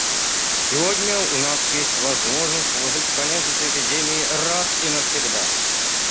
Сегодня у нас есть возможность положить конец этой эпидемии раз и навсегда.